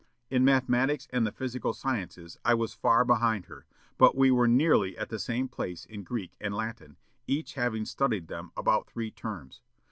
In mathematics and the physical sciences I was far behind her; but we were nearly at the same place in Greek and Latin, each having studied them about three terms.